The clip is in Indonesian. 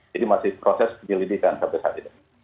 jadi masih proses penyelidikan sampai saat ini